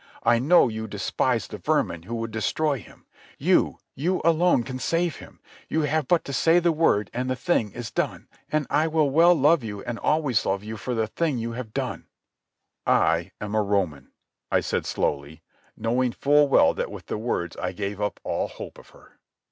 I know you despise the vermin who would destroy Him. You, you alone can save Him. You have but to say the word and the thing is done; and I will well love you and always love you for the thing you have done." "I am a Roman," I said slowly, knowing full well that with the words I gave up all hope of her.